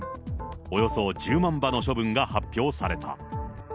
およそ１０万羽の処分が発表された。